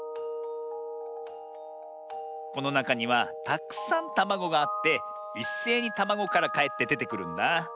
このなかにはたくさんたまごがあっていっせいにたまごからかえってでてくるんだ。